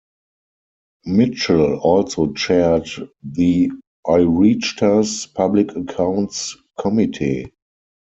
Mitchell also chaired the Oireachtas "Public Accounts Committee".